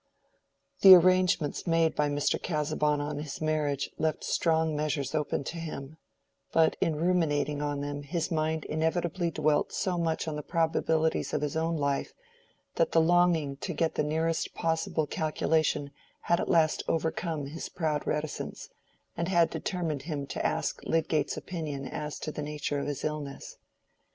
The arrangements made by Mr. Casaubon on his marriage left strong measures open to him, but in ruminating on them his mind inevitably dwelt so much on the probabilities of his own life that the longing to get the nearest possible calculation had at last overcome his proud reticence, and had determined him to ask Lydgate's opinion as to the nature of his illness.